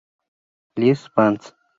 Les Vans